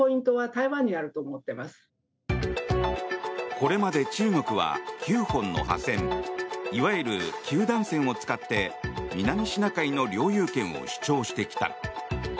これまで中国は９本の破線いわゆる九段線を使って南シナ海の領有権を主張してきた。